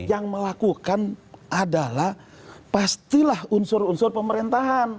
yang melakukan adalah pastilah unsur unsur pemerintahan